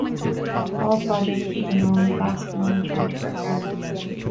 All projects using Autopass can only charge per car.